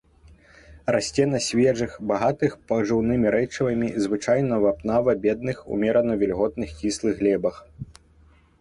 Расце на свежых, багатых пажыўнымі рэчывамі, звычайна вапнава-бедных, умерана вільготных кіслых глебах.